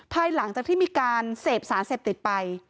ภายหลังจากที่มีการเสพสารเสพติดไป